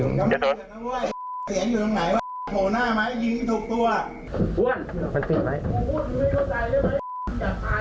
ยืด